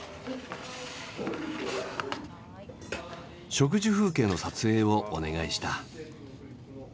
食事風景の撮影をお願いした。